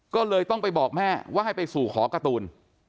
ก็เลยต้องไปบอกแม่ว่าให้ไปสู่ขอการ์ตูน